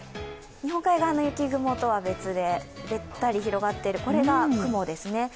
日本海側の雪雲とは別でべったり広がっている、これが雲ですね。